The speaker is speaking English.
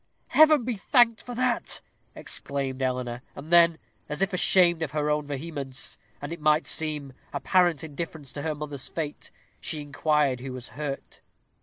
"Heaven be thanked for that!" exclaimed Eleanor. And then, as if ashamed of her own vehemence, and, it might seem, apparent indifference to another's fate, she inquired who was hurt.